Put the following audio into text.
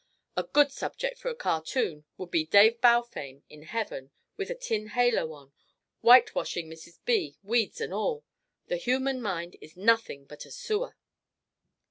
A good subject for a cartoon would be Dave Balfame in heaven with a tin halo on, whitewashing Mrs. B., weeds and all. The human mind is nothing but a sewer."